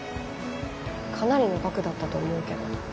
かなりの額だったと思うけど。